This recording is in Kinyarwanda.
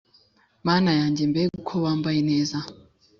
Mana yanjye mbega uko bambaye neza